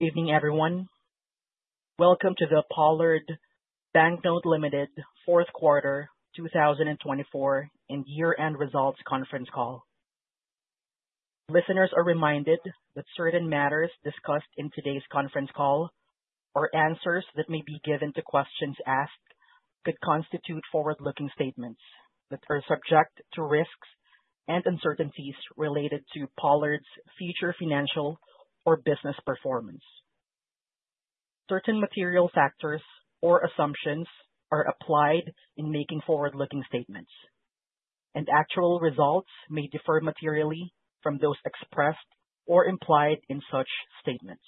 Evening, everyone. Welcome to the Pollard Banknote Limited, Fourth Quarter, 2024, and Year-End Results Conference Call. Listeners are reminded that certain matters discussed in today's conference call, or answers that may be given to questions asked, could constitute forward-looking statements that are subject to risks and uncertainties related to Pollard's future financial or business performance. Certain material factors or assumptions are applied in making forward-looking statements, and actual results may differ materially from those expressed or implied in such statements.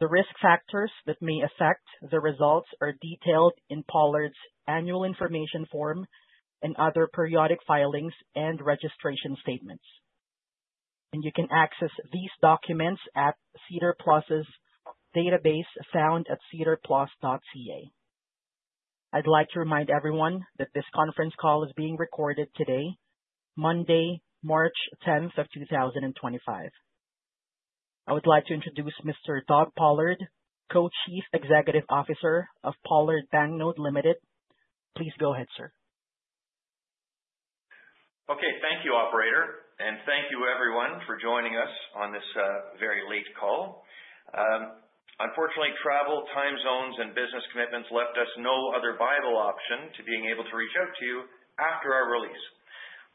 The risk factors that may affect the results are detailed in Pollard's Annual Information Form and other periodic filings and registration statements, and you can access these documents at SEDAR+ database found at sedarplus.ca. I'd like to remind everyone that this conference call is being recorded today, Monday, March 10th of 2025. I would like to introduce Mr. Douglas Pollard, Co-Chief Executive Officer of Pollard Banknote Limited. Please go ahead, sir. Okay. Thank you, Operator, and thank you, everyone, for joining us on this very late call. Unfortunately, travel, time zones, and business commitments left us no other viable option to being able to reach out to you after our release,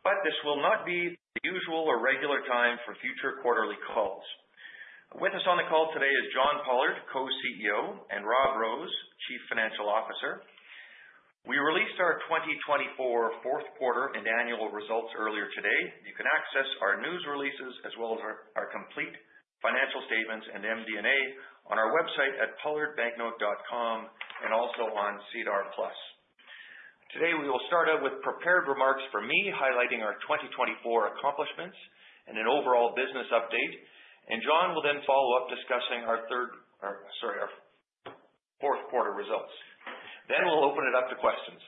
but this will not be the usual or regular time for future quarterly calls. With us on the call today is John Pollard, Co-CEO, and Robert Rose, Chief Financial Officer. We released our 2024 Fourth Quarter and Annual Results earlier today. You can access our news releases as well as our complete financial statements and MD&A on our website at pollardbanknote.com and also on SEDAR+. Today, we will start out with prepared remarks from me, highlighting our 2024 accomplishments and an overall business update, and John will then follow up discussing our third, sorry, our Fourth Quarter results. Then we'll open it up to questions.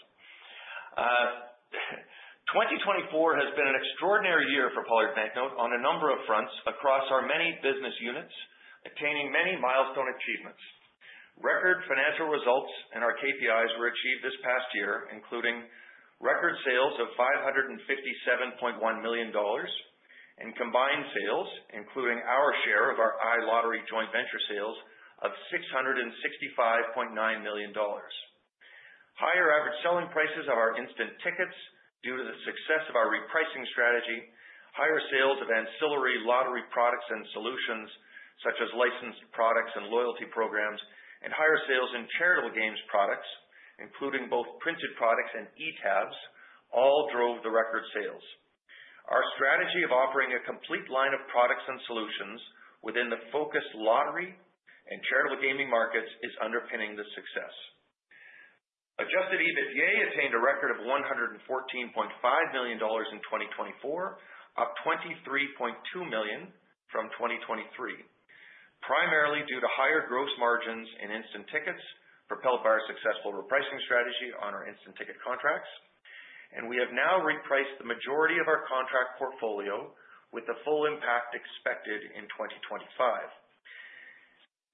2024 has been an extraordinary year for Pollard Banknote on a number of fronts across our many business units, attaining many milestone achievements. Record financial results and our KPIs were achieved this past year, including record sales of 557.1 million dollars and combined sales, including our share of our iLottery joint venture sales of 665.9 million dollars. Higher average selling prices of our instant tickets due to the success of our repricing strategy, higher sales of ancillary lottery products and solutions such as licensed products and loyalty programs, and higher sales in charitable gaming products, including both printed products and eTabs, all drove the record sales. Our strategy of offering a complete line of products and solutions within the focused lottery and charitable gaming markets is underpinning the success. Adjusted EBITDA attained a record of $114.5 million in 2024, up $23.2 million from 2023, primarily due to higher gross margins in instant tickets propelled by our successful repricing strategy on our instant ticket contracts, and we have now repriced the majority of our contract portfolio with the full impact expected in 2025.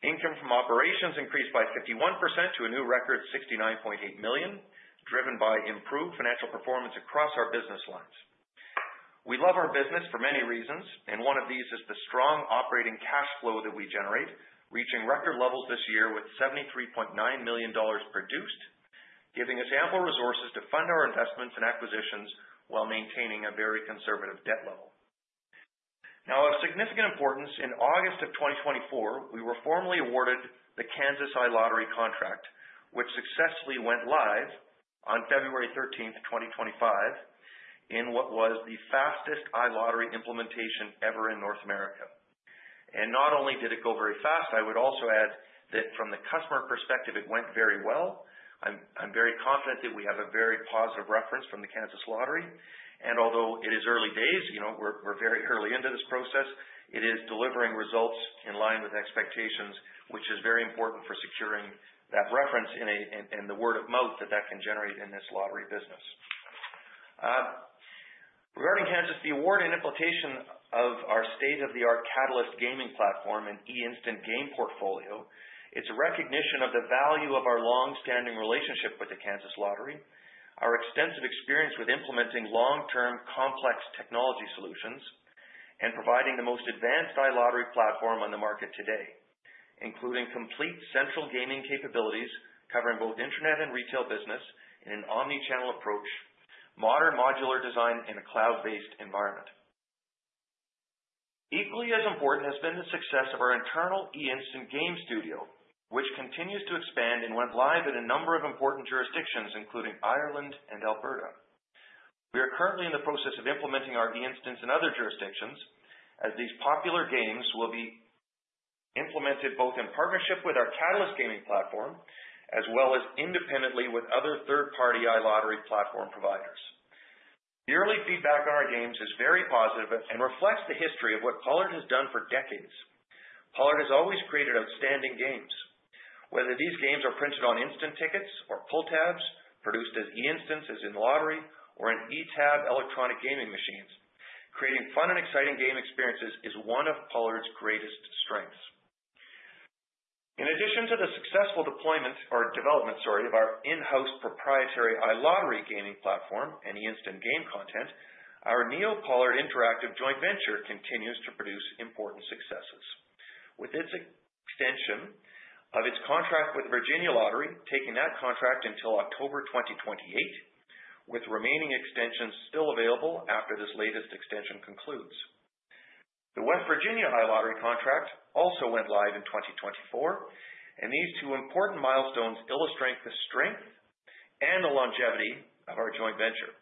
Income from operations increased by 51% to a new record of $69.8 million, driven by improved financial performance across our business lines. We love our business for many reasons, and one of these is the strong operating cash flow that we generate, reaching record levels this year with $73.9 million produced, giving us ample resources to fund our investments and acquisitions while maintaining a very conservative debt level. Now, of significant importance, in August of 2024, we were formally awarded the Kansas iLottery contract, which successfully went live on February 13th, 2025, in what was the fastest iLottery implementation ever in North America. Not only did it go very fast, I would also add that from the customer perspective, it went very well. I'm very confident that we have a very positive reference from the Kansas Lottery, and although it is early days, we're very early into this process, it is delivering results in line with expectations, which is very important for securing that reference and the word of mouth that that can generate in this lottery business. Regarding Kansas, the award and implementation of our state-of-the-art Catalyst Gaming Platform and eInstant game portfolio, it's a recognition of the value of our longstanding relationship with the Kansas Lottery, our extensive experience with implementing long-term complex technology solutions, and providing the most advanced iLottery platform on the market today, including complete central gaming capabilities covering both internet and retail business in an omnichannel approach, modern modular design, and a cloud-based environment. Equally as important has been the success of our internal eInstant game studio, which continues to expand and went live in a number of important jurisdictions, including Ireland and Alberta. We are currently in the process of implementing our eInstant games in other jurisdictions, as these popular games will be implemented both in partnership with our Catalyst Gaming Platform as well as independently with other third-party iLottery platform providers. The early feedback on our games is very positive and reflects the history of what Pollard has done for decades. Pollard has always created outstanding games. Whether these games are printed on instant tickets or pull tabs, produced as eInstant games in the lottery, or in eTab electronic gaming machines, creating fun and exciting game experiences is one of Pollard's greatest strengths. In addition to the successful deployment or development of our in-house proprietary iLottery gaming platform and eInstant game content, our NeoPollard Interactive joint venture continues to produce important successes, with its extension of its contract with Virginia Lottery taking that contract until October 2028, with remaining extensions still available after this latest extension concludes. The West Virginia iLottery contract also went live in 2024, and these two important milestones illustrate the strength and the longevity of our joint venture.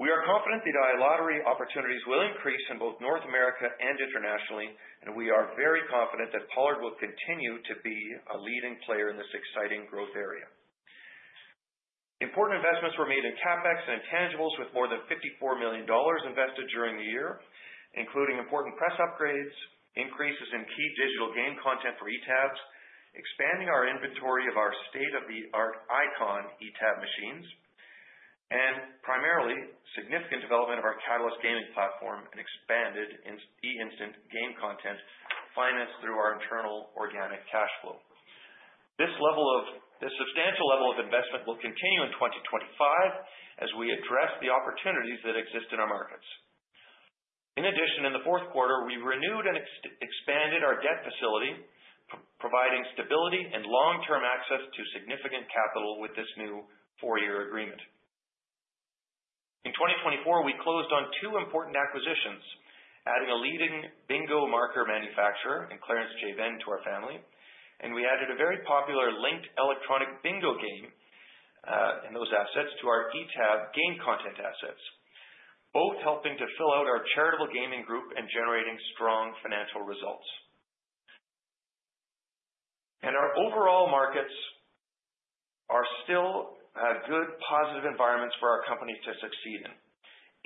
We are confident that iLottery opportunities will increase in both North America and internationally, and we are very confident that Pollard will continue to be a leading player in this exciting growth area. Important investments were made in CapEx and intangibles with more than 54 million dollars invested during the year, including important press upgrades, increases in key digital game content for eTabs, expanding our inventory of our state-of-the-art ICON eTab machines, and primarily significant development of our Catalyst Gaming Platform and expanded eInstant game content financed through our internal organic cash flow. This substantial level of investment will continue in 2025 as we address the opportunities that exist in our markets. In addition, in the fourth quarter, we renewed and expanded our debt facility, providing stability and long-term access to significant capital with this new four-year agreement. In 2024, we closed on two important acquisitions, adding a leading bingo marker manufacturer and Clarence J. Venne to our family, and we added a very popular linked electronic bingo game and those assets to our eTab game content assets, both helping to fill out our charitable gaming group and generating strong financial results. Our overall markets are still good, positive environments for our company to succeed in.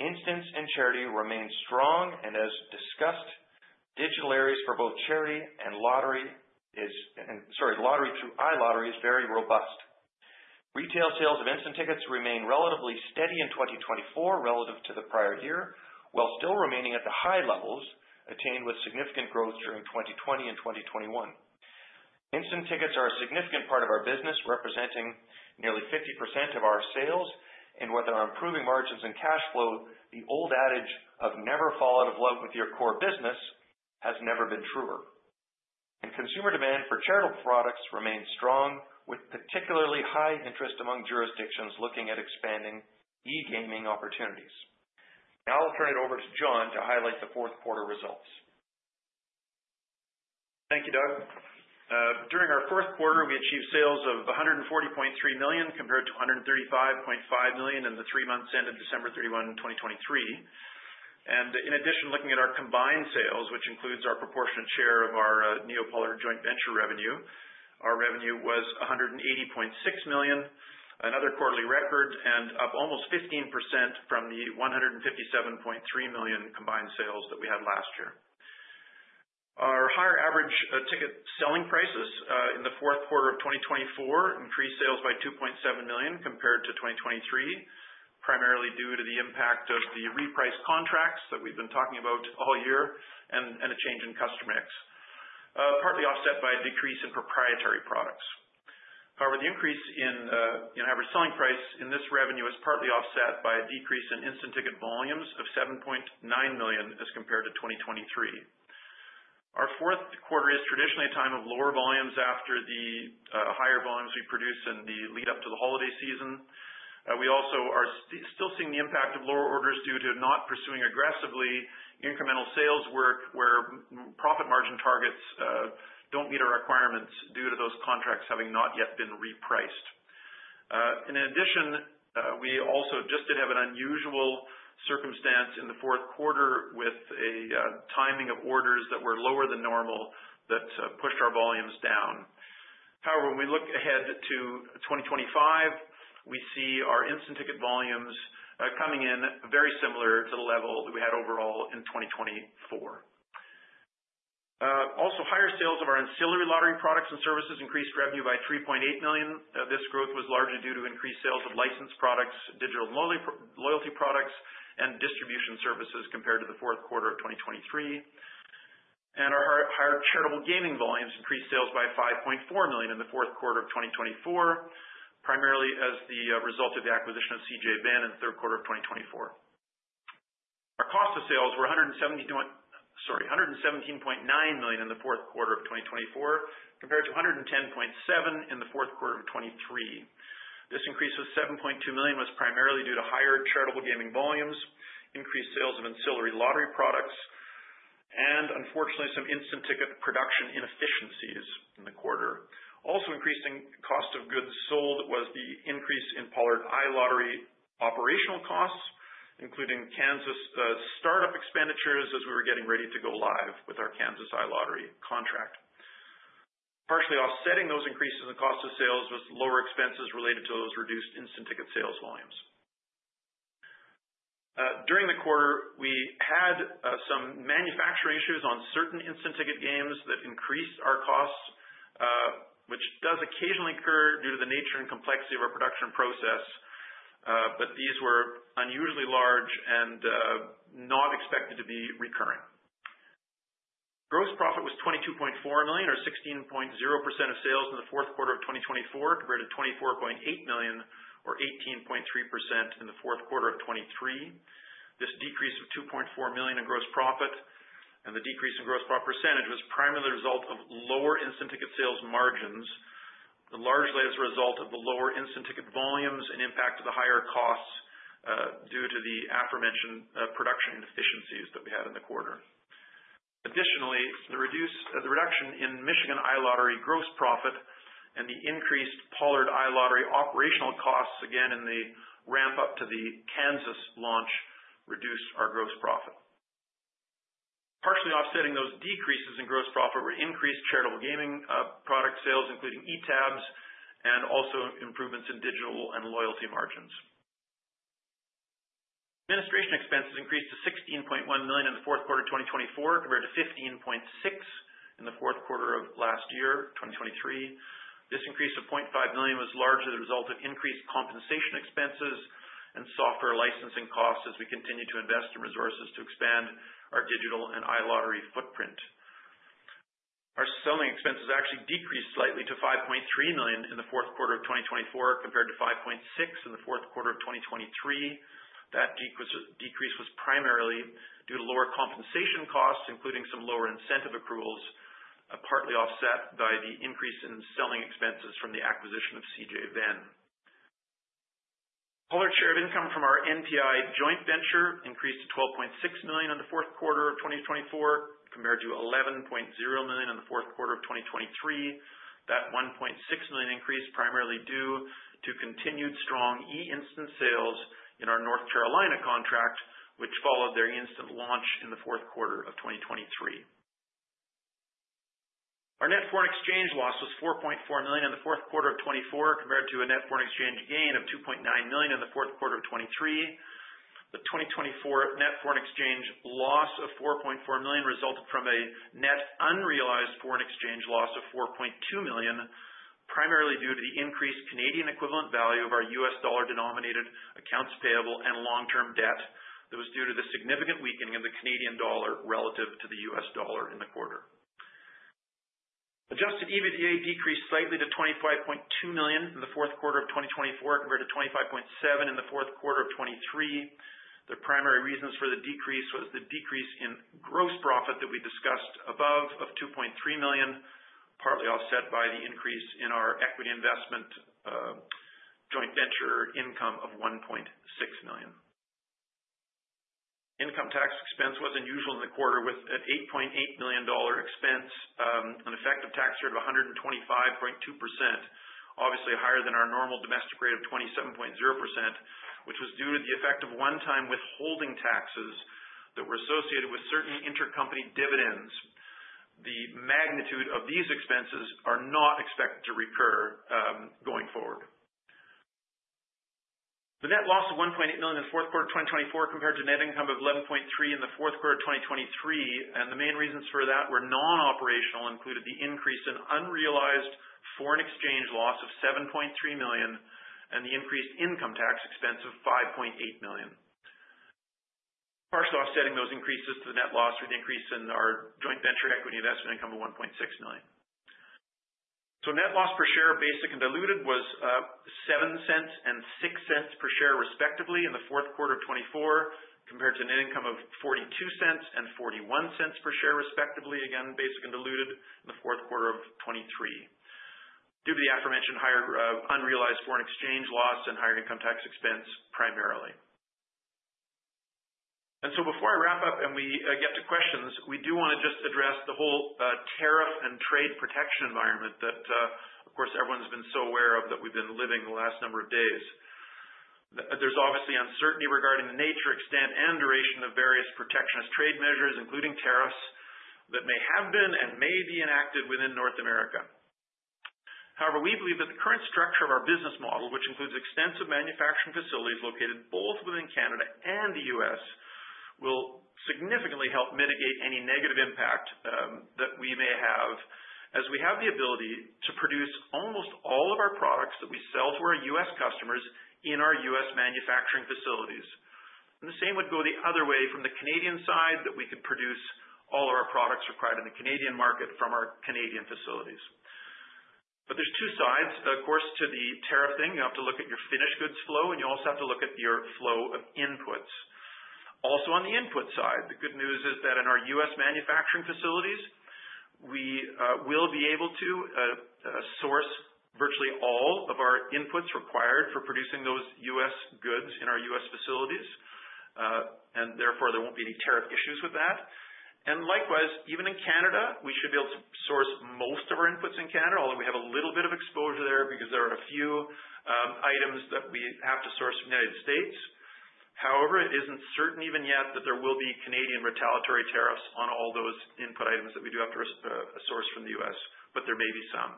Instant and charity remain strong, and as discussed, digital areas for both charity and lottery, sorry, lottery through iLottery is very robust. Retail sales of instant tickets remain relatively steady in 2024 relative to the prior year, while still remaining at the high levels attained with significant growth during 2020 and 2021. Instant tickets are a significant part of our business, representing nearly 50% of our sales, and with our improving margins and cash flow, the old adage of "never fall out of love with your core business" has never been truer. Consumer demand for charitable products remains strong, with particularly high interest among jurisdictions looking at expanding e-gaming opportunities. Now I'll turn it over to John to highlight the fourth quarter results. Thank you, Douglas. During our fourth quarter, we achieved sales of $140.3 million compared to $135.5 million in the three months ended December 31, 2023. In addition, looking at our combined sales, which includes our proportionate share of our NeoPollard joint venture revenue, our revenue was $180.6 million, another quarterly record, and up almost 15% from the $157.3 million combined sales that we had last year. Our higher average ticket selling prices in the fourth quarter of 2024 increased sales by $2.7 million compared to 2023, primarily due to the impact of the repriced contracts that we've been talking about all year and a change in customer mix, partly offset by a decrease in proprietary products. However, the increase in average selling price in this revenue is partly offset by a decrease in instant ticket volumes of $7.9 million as compared to 2023. Our fourth quarter is traditionally a time of lower volumes after the higher volumes we produce in the lead-up to the holiday season. We also are still seeing the impact of lower orders due to not pursuing aggressively incremental sales work where profit margin targets do not meet our requirements due to those contracts having not yet been repriced. In addition, we also just did have an unusual circumstance in the fourth quarter with a timing of orders that were lower than normal that pushed our volumes down. However, when we look ahead to 2025, we see our instant ticket volumes coming in very similar to the level that we had overall in 2024. Also, higher sales of our ancillary lottery products and services increased revenue by 3.8 million. This growth was largely due to increased sales of licensed products, digital loyalty products, and distribution services compared to the fourth quarter of 2023. Our higher charitable gaming volumes increased sales by $5.4 million in the fourth quarter of 2024, primarily as the result of the acquisition of C.J. Venne in the third quarter of 2024. Our cost of sales were 117.9 million in the fourth quarter of 2024 compared to 110.7 million in the fourth quarter of 2023. This increase of 7.2 million was primarily due to higher charitable gaming volumes, increased sales of ancillary lottery products, and unfortunately, some instant ticket production inefficiencies in the quarter. Also increasing cost of goods sold was the increase in Pollard iLottery operational costs, including Kansas startup expenditures as we were getting ready to go live with our Kansas iLottery contract. Partially offsetting those increases in cost of sales was lower expenses related to those reduced instant ticket sales volumes. During the quarter, we had some manufacturing issues on certain instant ticket games that increased our costs, which does occasionally occur due to the nature and complexity of our production process, but these were unusually large and not expected to be recurring. Gross profit was $22.4 million, or 16.0% of sales in the fourth quarter of 2024, compared to $24.8 million, or 18.3% in the fourth quarter of 2023. This decrease of $2.4 million in gross profit and the decrease in gross profit percentage was primarily the result of lower instant ticket sales margins, largely as a result of the lower instant ticket volumes and impact of the higher costs due to the aforementioned production inefficiencies that we had in the quarter. Additionally, the reduction in Michigan iLottery gross profit and the increased Pollard iLottery operational costs, again, in the ramp-up to the Kansas launch, reduced our gross profit. Partially offsetting those decreases in gross profit were increased charitable gaming product sales, including eTabs, and also improvements in digital and loyalty margins. Administration expenses increased to 16.1 million in the fourth quarter of 2024, compared to 15.6 million in the fourth quarter of last year, 2023. This increase of 0.5 million was largely the result of increased compensation expenses and software licensing costs as we continued to invest in resources to expand our digital and iLottery footprint. Our selling expenses actually decreased slightly to 5.3 million in the fourth quarter of 2024, compared to 5.6 million in the fourth quarter of 2023. That decrease was primarily due to lower compensation costs, including some lower incentive accruals, partly offset by the increase in selling expenses from the acquisition of C.J. Venne. Pollard share of income from our NPI joint venture increased to $12.6 million in the fourth quarter of 2024, compared to $11.0 million in the fourth quarter of 2023. That $1.6 million increase was primarily due to continued strong eInstant sales in our North Carolina contract, which followed their eInstant launch in the fourth quarter of 2023. Our net foreign exchange loss was $4.4 million in the fourth quarter of 2024, compared to a net foreign exchange gain of $2.9 million in the fourth quarter of 2023. The 2024 net foreign exchange loss of $4.4 million resulted from a net unrealized foreign exchange loss of $4.2 million, primarily due to the increased Canadian equivalent value of our US dollar-denominated accounts payable and long-term debt that was due to the significant weakening of the Canadian dollar relative to the US dollar in the quarter. Adjusted EBITDA decreased slightly to $25.2 million in the fourth quarter of 2024, compared to $25.7 million in the fourth quarter of 2023. The primary reasons for the decrease were the decrease in gross profit that we discussed above of $2.3 million, partly offset by the increase in our equity investment joint venture income of $1.6 million. Income tax expense was unusual in the quarter, with an $8.8 million expense, an effective tax rate of 125.2%, obviously higher than our normal domestic rate of 27.0%, which was due to the effect of one-time withholding taxes that were associated with certain intercompany dividends. The magnitude of these expenses is not expected to recur going forward. The net loss of $1.8 million in the fourth quarter of 2024 compared to net income of $11.3 million in the fourth quarter of 2023, and the main reasons for that were non-operational, including the increase in unrealized foreign exchange loss of $7.3 million and the increased income tax expense of $5.8 million. Partially offsetting those increases to the net loss were the increase in our joint venture equity investment income of $1.6 million. Net loss per share of basic and diluted was $0.07 and $0.06 per share respectively in the fourth quarter of 2024, compared to net income of $0.42 and $0.41 per share respectively, again, basic and diluted in the fourth quarter of 2023, due to the aforementioned higher unrealized foreign exchange loss and higher income tax expense primarily. Before I wrap up and we get to questions, we do want to just address the whole tariff and trade protection environment that, of course, everyone's been so aware of that we've been living the last number of days. There's obviously uncertainty regarding the nature, extent, and duration of various protectionist trade measures, including tariffs that may have been and may be enacted within North America. However, we believe that the current structure of our business model, which includes extensive manufacturing facilities located both within Canada and the US, will significantly help mitigate any negative impact that we may have as we have the ability to produce almost all of our products that we sell to our US customers in our US manufacturing facilities. The same would go the other way from the Canadian side that we could produce all of our products required in the Canadian market from our Canadian facilities. There are two sides, of course, to the tariff thing. You have to look at your finished goods flow, and you also have to look at your flow of inputs. Also, on the input side, the good news is that in our US manufacturing facilities, we will be able to source virtually all of our inputs required for producing those US goods in our US facilities, and therefore there will not be any tariff issues with that. Likewise, even in Canada, we should be able to source most of our inputs in Canada, although we have a little bit of exposure there because there are a few items that we have to source from the United States. However, it is not certain even yet that there will be Canadian retaliatory tariffs on all those input items that we do have to source from the US, but there may be some.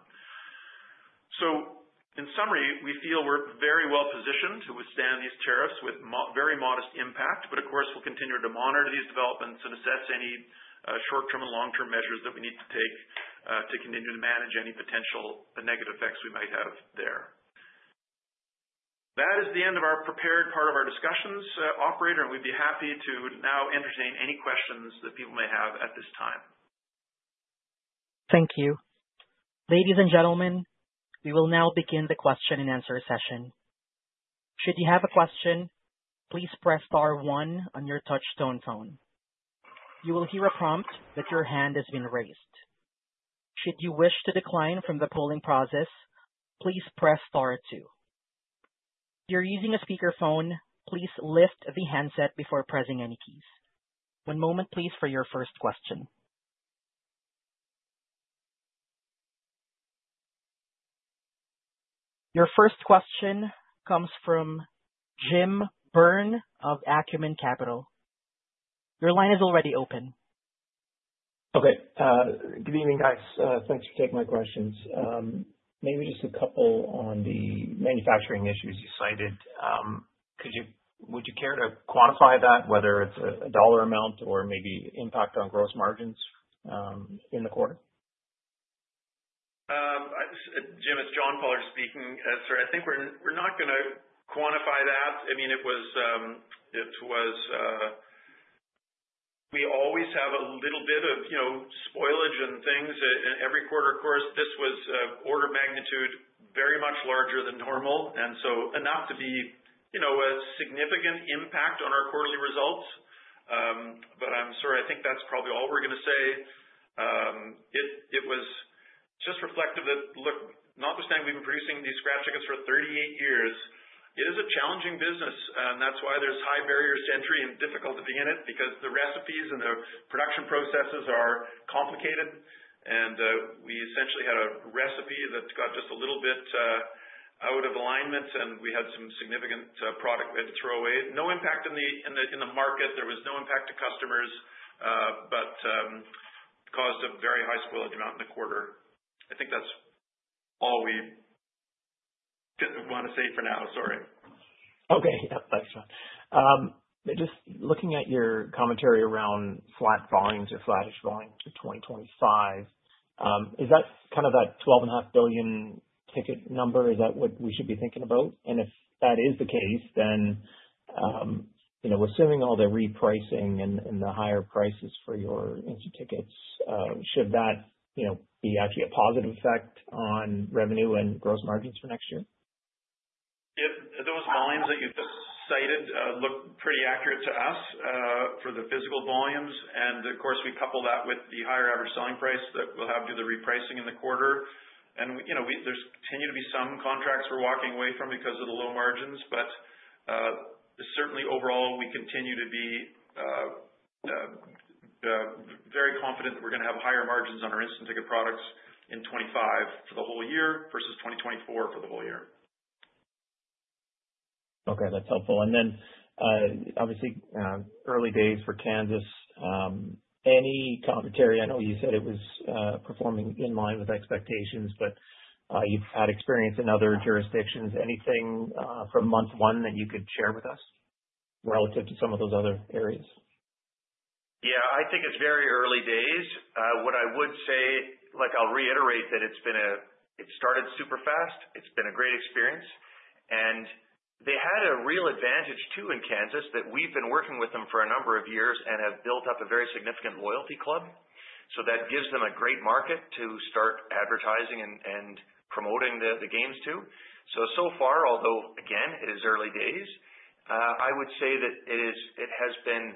In summary, we feel we're very well positioned to withstand these tariffs with very modest impact, but of course, we'll continue to monitor these developments and assess any short-term and long-term measures that we need to take to continue to manage any potential negative effects we might have there. That is the end of our prepared part of our discussions, operator, and we'd be happy to now entertain any questions that people may have at this time. Thank you. Ladies and gentlemen, we will now begin the question and answer session. Should you have a question, please press star one on your touchstone phone. You will hear a prompt that your hand has been raised. Should you wish to decline from the polling process, please press star two. If you're using a speakerphone, please lift the handset before pressing any keys. One moment, please, for your first question. Your first question comes from Jim Byrne of Acumen Capital. Your line is already open. Okay. Good evening, guys. Thanks for taking my questions. Maybe just a couple on the manufacturing issues you cited. Would you care to quantify that, whether it's a dollar amount or maybe impact on gross margins in the quarter? Jim, it's John Pollard speaking. Sorry, I think we're not going to quantify that. I mean, we always have a little bit of spoilage and things in every quarter. Of course, this was order of magnitude very much larger than normal, and so enough to be a significant impact on our quarterly results. I'm sorry, I think that's probably all we're going to say. It was just reflective that, look, notwithstanding we've been producing these scratch tickets for 38 years, it is a challenging business, and that's why there's high barriers to entry and difficulty being in it, because the recipes and the production processes are complicated. We essentially had a recipe that got just a little bit out of alignment, and we had some significant product we had to throw away. No impact in the market. There was no impact to customers, but caused a very high spoilage amount in the quarter. I think that's all we want to say for now. Sorry. Okay. Yeah. Thanks, John. Just looking at your commentary around flat volumes or flattish volumes for 2025, is that kind of that $12.5 billion ticket number? Is that what we should be thinking about? If that is the case, then assuming all the repricing and the higher prices for your instant tickets, should that be actually a positive effect on revenue and gross margins for next year? Yep. Those volumes that you just cited look pretty accurate to us for the physical volumes. We couple that with the higher average selling price that we'll have due to the repricing in the quarter. There continue to be some contracts we're walking away from because of the low margins, but certainly overall, we continue to be very confident that we're going to have higher margins on our instant ticket products in 2025 for the whole year versus 2024 for the whole year. Okay. That's helpful. Obviously, early days for Kansas. Any commentary? I know you said it was performing in line with expectations, but you've had experience in other jurisdictions. Anything from month one that you could share with us relative to some of those other areas? Yeah. I think it's very early days. What I would say, I'll reiterate that it's been a it started super fast. It's been a great experience. They had a real advantage too in Kansas that we've been working with them for a number of years and have built up a very significant loyalty club. That gives them a great market to start advertising and promoting the games to. So far, although again, it is early days, I would say that it has been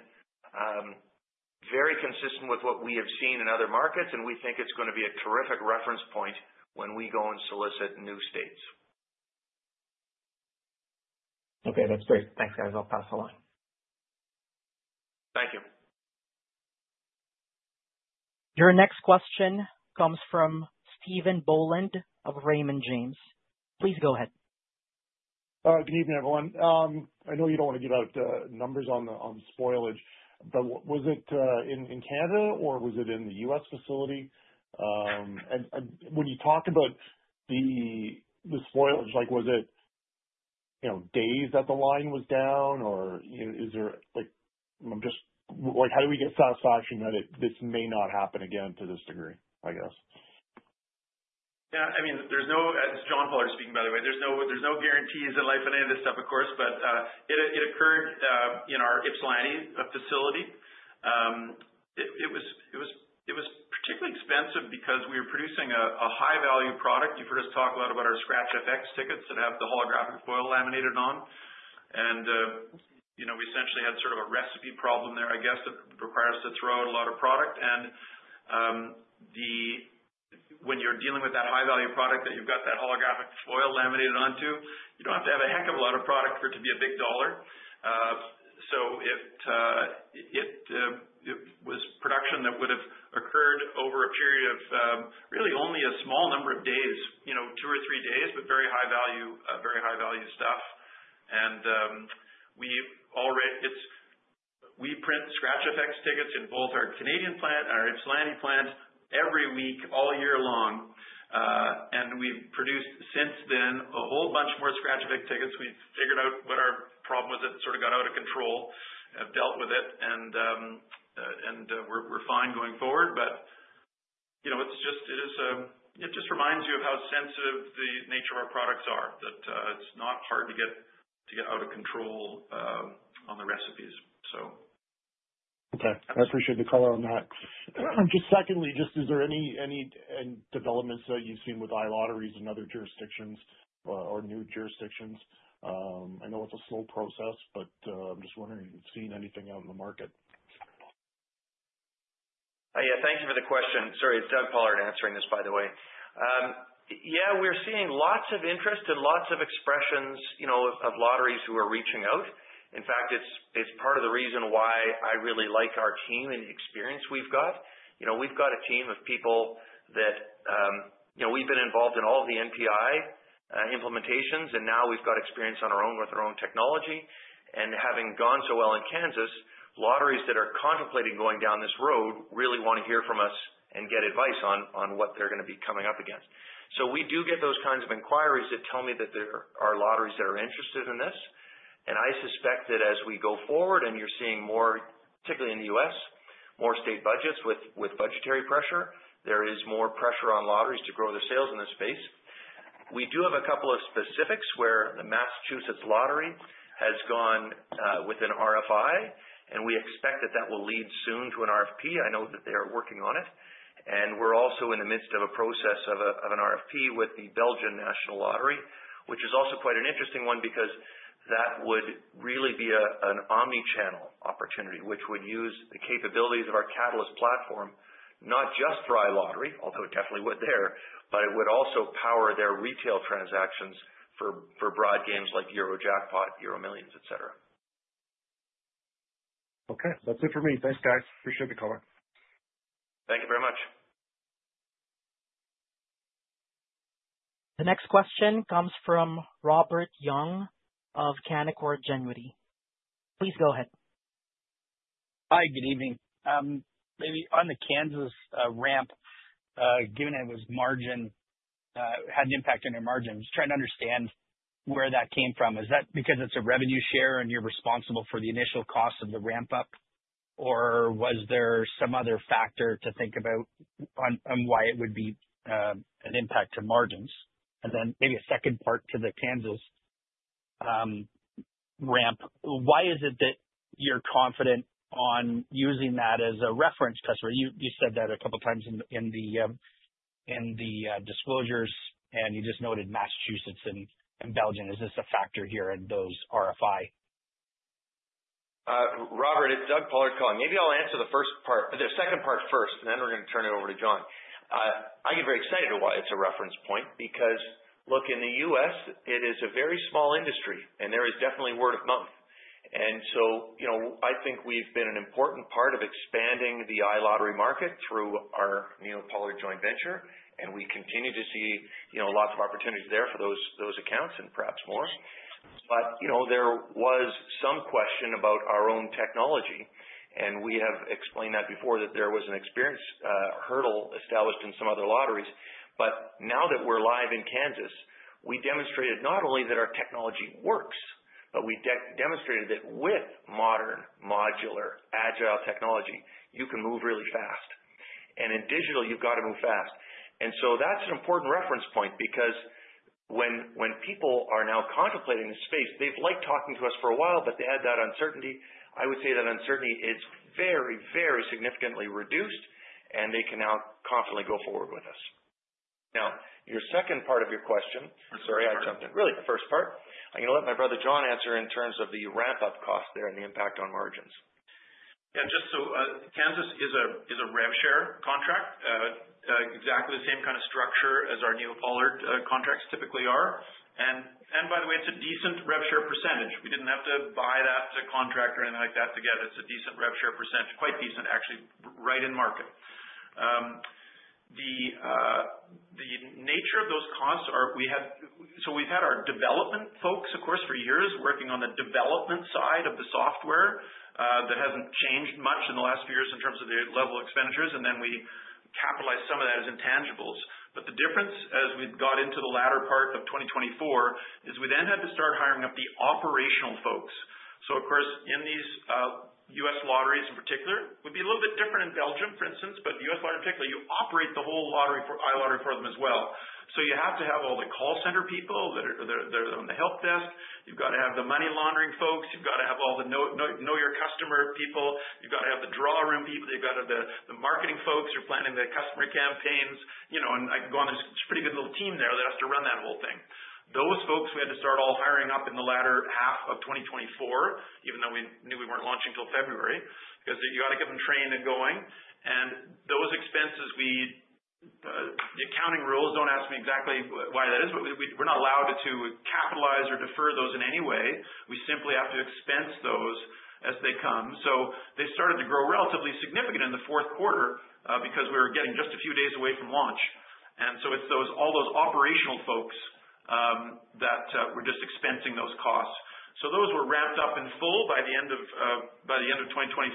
very consistent with what we have seen in other markets, and we think it's going to be a terrific reference point when we go and solicit new states. Okay. That's great. Thanks, guys. I'll pass the line. Thank you. Your next question comes from Steve Boland of Raymond James. Please go ahead. Good evening, everyone. I know you don't want to give out numbers on spoilage, but was it in Canada or was it in the US facility? When you talk about the spoilage, was it days that the line was down, or is there just how do we get satisfaction that this may not happen again to this degree, I guess? Yeah. I mean, there's no—this is John Pollard speaking, by the way. There's no guarantees in life on any of this stuff, of course, but it occurred in our Ypsilanti facility. It was particularly expensive because we were producing a high-value product. You've heard us talk a lot about our Scratch FX tickets that have the holographic foil laminated on. We essentially had sort of a recipe problem there, I guess, that required us to throw out a lot of product. When you're dealing with that high-value product that you've got that holographic foil laminated onto, you don't have to have a heck of a lot of product for it to be a big dollar. It was production that would have occurred over a period of really only a small number of days, two or three days, but very high-value stuff. We print Scratch FX tickets in both our Canadian plant and our Ypsilanti plant every week, all year long. We have produced since then a whole bunch more Scratch FX tickets. We have figured out what our problem was that sort of got out of control, have dealt with it, and we are fine going forward. It just reminds you of how sensitive the nature of our products are, that it is not hard to get out of control on the recipes. Okay. I appreciate the color on that. Just secondly, is there any developments that you've seen with iLotteries in other jurisdictions or new jurisdictions? I know it's a slow process, but I'm just wondering if you've seen anything out in the market. Thank you for the question. Sorry, Douglas Pollard answering this, by the way. Yeah, we're seeing lots of interest and lots of expressions of lotteries who are reaching out. In fact, it's part of the reason why I really like our team and the experience we've got. We've got a team of people that we've been involved in all of the NPI implementations, and now we've got experience on our own with our own technology. Having gone so well in Kansas, lotteries that are contemplating going down this road really want to hear from us and get advice on what they're going to be coming up against. We do get those kinds of inquiries that tell me that there are lotteries that are interested in this. I suspect that as we go forward and you're seeing more, particularly in the US, more state budgets with budgetary pressure, there is more pressure on lotteries to grow their sales in this space. We do have a couple of specifics where the Massachusetts Lottery has gone with an RFI, and we expect that that will lead soon to an RFP. I know that they are working on it. We're also in the midst of a process of an RFP with the Belgian National Lottery, which is also quite an interesting one because that would really be an omnichannel opportunity, which would use the capabilities of our Catalyst platform, not just for iLottery, although it definitely would there, but it would also power their retail transactions for broad games like Eurojackpot, EuroMillions, etc. Okay. That's it for me. Thanks, guys. Appreciate the call. Thank you very much. The next question comes from Robert Young of Canaccord Genuity. Please go ahead. Hi. Good evening. Maybe on the Kansas ramp, given it was margin, it had an impact on your margins. Trying to understand where that came from. Is that because it's a revenue share and you're responsible for the initial cost of the ramp-up, or was there some other factor to think about on why it would be an impact to margins? Maybe a second part to the Kansas ramp. Why is it that you're confident on using that as a reference customer? You said that a couple of times in the disclosures, and you just noted Massachusetts and Belgium. Is this a factor here in those RFI? Robert, it's Douglas Pollard calling. Maybe I'll answer the first part, the second part first, and then we're going to turn it over to John. I get very excited why it's a reference point because, look, in the U.S., it is a very small industry, and there is definitely word of mouth. I think we've been an important part of expanding the iLottery market through our NeoPollard joint venture, and we continue to see lots of opportunities there for those accounts and perhaps more. There was some question about our own technology, and we have explained that before, that there was an experience hurdle established in some other lotteries. Now that we're live in Kansas, we demonstrated not only that our technology works, but we demonstrated that with modern modular agile technology, you can move really fast. In digital, you've got to move fast. That is an important reference point because when people are now contemplating the space, they've liked talking to us for a while, but they had that uncertainty. I would say that uncertainty is very, very significantly reduced, and they can now confidently go forward with us. Now, your second part of your question—sorry, I jumped in. Really, the first part. I'm going to let my brother John answer in terms of the ramp-up cost there and the impact on margins. Yeah. Just so Kansas is a rev share contract, exactly the same kind of structure as our NeoPollard contracts typically are. By the way, it's a decent rev share percentage. We didn't have to buy that contract or anything like that to get it. It's a decent rev share percentage, quite decent, actually, right in market. The nature of those costs are we have, so we've had our development folks, of course, for years working on the development side of the software. That hasn't changed much in the last few years in terms of their level of expenditures, and then we capitalized some of that as intangibles. The difference, as we've got into the latter part of 2024, is we then had to start hiring up the operational folks. Of course, in these US lotteries in particular, it would be a little bit different in Belgium, for instance, but US lottery in particular, you operate the whole iLottery for them as well. You have to have all the call center people that are on the help desk. You've got to have the money laundering folks. You've got to have all the know-your-customer people. You've got to have the draw room people. You've got to have the marketing folks who are planning the customer campaigns. I can go on, there's a pretty good little team there that has to run that whole thing. Those folks, we had to start all hiring up in the latter half of 2024, even though we knew we weren't launching until February because you got to get them trained and going. Those expenses, the accounting rules, don't ask me exactly why that is, but we're not allowed to capitalize or defer those in any way. We simply have to expense those as they come. They started to grow relatively significant in the fourth quarter because we were getting just a few days away from launch. It's all those operational folks that we're just expensing those costs. Those were ramped up in full by the end of 2024,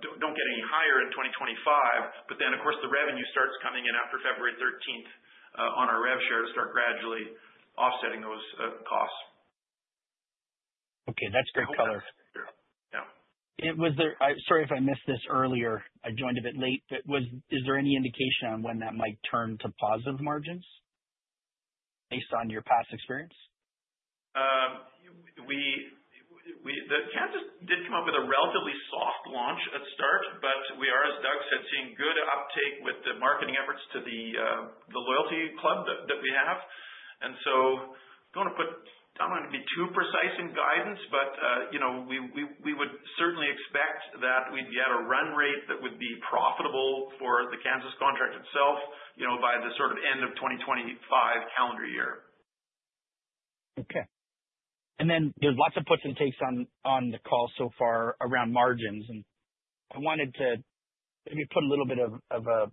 do not get any higher in 2025, but then, of course, the revenue starts coming in after February 13 on our rev share to start gradually offsetting those costs. Okay. That's great color. Yeah. Sorry if I missed this earlier. I joined a bit late, but is there any indication on when that might turn to positive margins based on your past experience? Kansas did come up with a relatively soft launch at start, but we are, as Doug said, seeing good uptake with the marketing efforts to the loyalty club that we have. I do not want to be too precise in guidance, but we would certainly expect that we would be at a run rate that would be profitable for the Kansas contract itself by the sort of end of 2025 calendar year. Okay. There are lots of puts and takes on the call so far around margins. I wanted to maybe put a little bit of a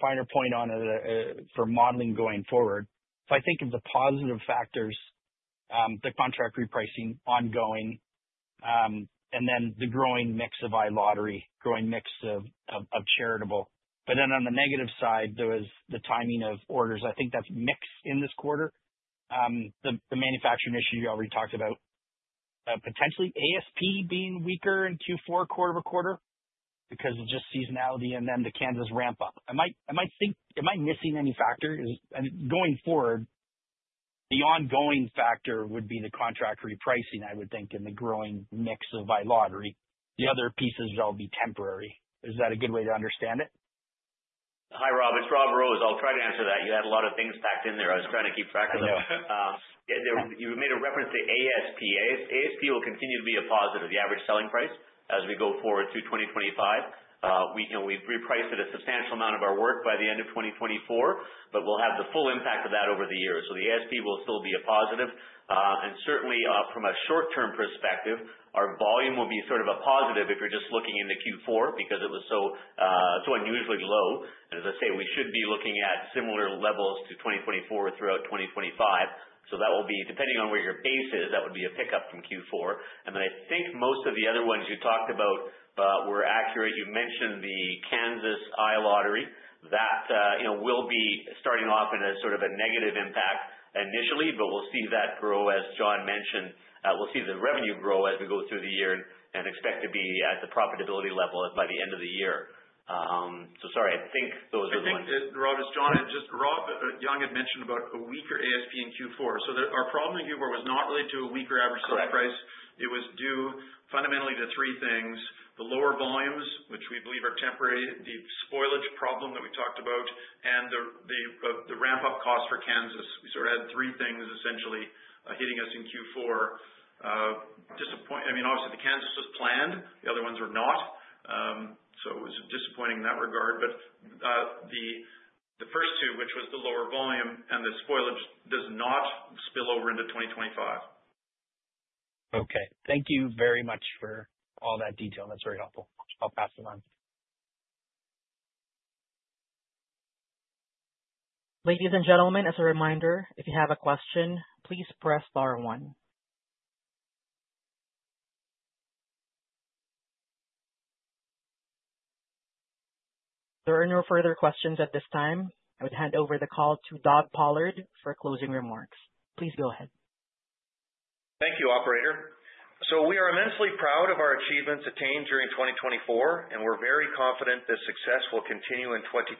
finer point on it for modeling going forward. If I think of the positive factors, the contract repricing ongoing, and then the growing mix of iLottery, growing mix of charitable. On the negative side, there was the timing of orders. I think that's mixed in this quarter. The manufacturing issue you already talked about, potentially ASP being weaker in Q4, quarter over quarter, because of just seasonality and then the Kansas ramp-up. I might think, am I missing any factor? Going forward, the ongoing factor would be the contract repricing, I would think, and the growing mix of iLottery. The other pieces will be temporary. Is that a good way to understand it? Hi, Robert. It's Robert Rose. I'll try to answer that. You had a lot of things packed in there. I was trying to keep track of them. You made a reference to ASP. ASP will continue to be a positive, the average selling price, as we go forward through 2025. We've repriced a substantial amount of our work by the end of 2024, but we'll have the full impact of that over the year. The ASP will still be a positive. Certainly, from a short-term perspective, our volume will be sort of a positive if you're just looking into Q4 because it was so unusually low. As I say, we should be looking at similar levels to 2024 throughout 2025. That will be, depending on where your base is, a pickup from Q4. I think most of the other ones you talked about were accurate. You mentioned the Kansas iLottery. That will be starting off in a sort of a negative impact initially, but we'll see that grow as John mentioned. We'll see the revenue grow as we go through the year and expect to be at the profitability level by the end of the year. I think those are the ones. I think that Rob it's John. Just Rob Young had mentioned about a weaker ASP in Q4. Our problem in Q4 was not related to a weaker average selling price. It was due fundamentally to three things: the lower volumes, which we believe are temporary, the spoilage problem that we talked about, and the ramp-up cost for Kansas. We sort of had three things essentially hitting us in Q4. I mean, obviously, the Kansas was planned. The other ones were not. It was disappointing in that regard. The first two, which was the lower volume and the spoilage, does not spill over into 2025. Okay. Thank you very much for all that detail. That's very helpful. I'll pass it on. Ladies and gentlemen, as a reminder, if you have a question, please press star one. There are no further questions at this time. I would hand over the call to Douglas Pollard for closing remarks. Please go ahead. Thank you, Operator. We are immensely proud of our achievements attained during 2024, and we're very confident this success will continue in 2025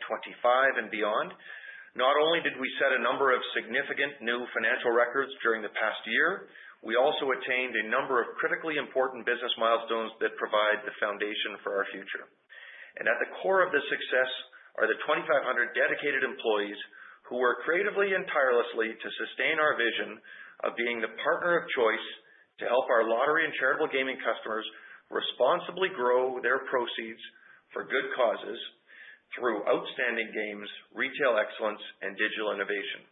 and beyond. Not only did we set a number of significant new financial records during the past year, we also attained a number of critically important business milestones that provide the foundation for our future. At the core of the success are the 2,500 dedicated employees who work creatively and tirelessly to sustain our vision of being the partner of choice to help our lottery and charitable gaming customers responsibly grow their proceeds for good causes through outstanding games, retail excellence, and digital innovation.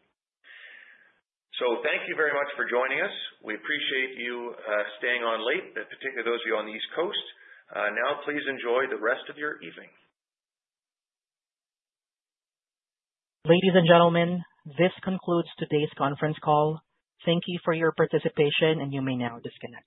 Thank you very much for joining us. We appreciate you staying on late, particularly those of you on the East Coast. Please enjoy the rest of your evening. Ladies and gentlemen, this concludes today's conference call. Thank you for your participation, and you may now disconnect.